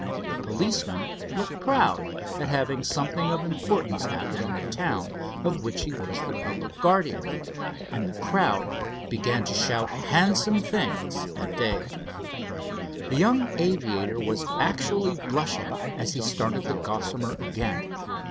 The policeman looked proud at having something of importance happen in the town of which he was the public guardian, and the crowd began to shout handsome things at Dave. The young aviator was actually blushing as he started the Gossamer again.